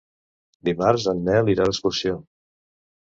Dimarts en Nel irà d'excursió.